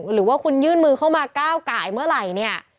หรือว่าคุณยื่นมือเข้ามาก้าวไก่เมื่อไหร่เนี่ย